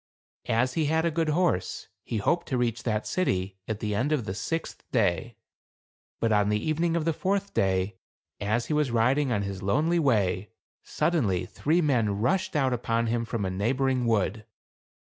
As he had a good horse, he hoped to reach that city at the end of the sixth day. But on the evening of the fourth day, as he was riding on his lonely way, suddenly, three men rushed out upon him from a neighboring wood.